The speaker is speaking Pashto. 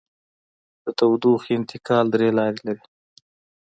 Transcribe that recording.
د تودوخې انتقال درې لارې لري.